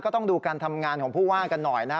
ต้องดูการทำงานของผู้ว่ากันหน่อยนะฮะ